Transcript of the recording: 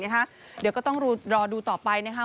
เดี๋ยวก็ต้องรอดูต่อไปนะคะ